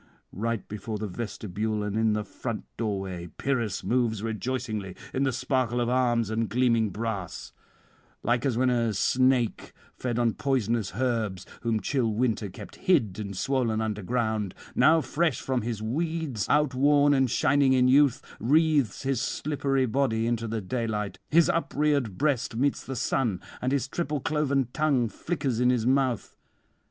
... Right before the vestibule and in the front doorway Pyrrhus moves rejoicingly in the sparkle of arms and gleaming brass: like as when a snake fed on poisonous herbs, whom chill winter kept hid and swollen underground, now fresh from his weeds outworn and shining in youth, wreathes his slippery body into the daylight, his upreared breast meets the sun, and his triple cloven tongue flickers in his mouth.